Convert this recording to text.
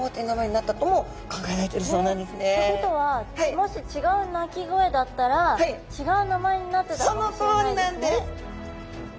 ってことはもし違う鳴き声だったら違う名前になってたかもしれないですね。